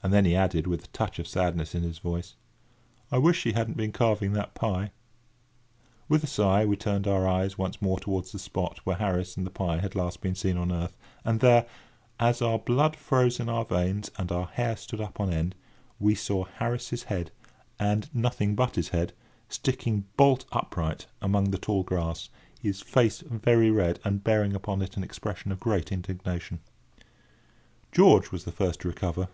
And then he added, with a touch of sadness in his voice: "I wish he hadn't been carving that pie." With a sigh, we turned our eyes once more towards the spot where Harris and the pie had last been seen on earth; and there, as our blood froze in our veins and our hair stood up on end, we saw Harris's head—and nothing but his head—sticking bolt upright among the tall grass, the face very red, and bearing upon it an expression of great indignation! George was the first to recover.